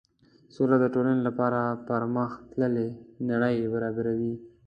سوله د ټولنې لپاره پرمخ تللې نړۍ برابروي.